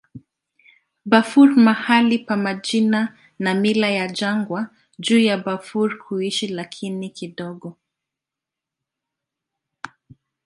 Bafur mahali pa majina na mila ya jangwa juu ya Bafur kuishi, lakini kidogo.